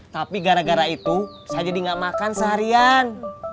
tapi gara gara itu saya jadi nggak makan seharian